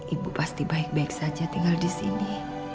ibu pasti baik baik saja tinggal di sini